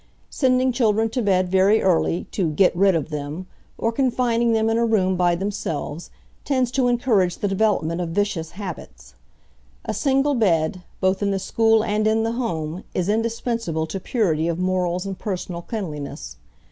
Sending children to bed very early, to "get rid of them," or confining them in a room by themselves, tends to encourage the development of vicious habits. A single bed, both in the school and in the home, is indispensable to purity of morals and personal cleanliness.